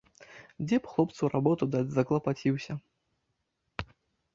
Дзе б хлопцу работу даць заклапаціўся.